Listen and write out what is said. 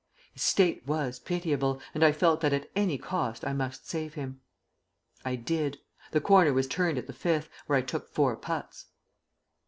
His state was pitiable, and I felt that at any cost I must save him. I did. The corner was turned at the fifth, where I took four putts.